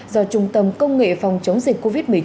do trung tâm công nghệ phòng chống dịch covid một mươi chín